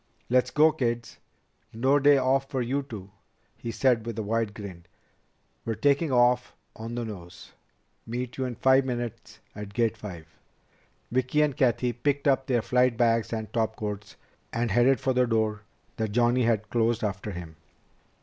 "Let's go, kids. No day off for you two," he said with a wide grin. "We're taking off on the nose. Meet you in five minutes at Gate Five." Vicki and Cathy picked up their flight bags and topcoats, and headed for the door that Johnny had closed after him.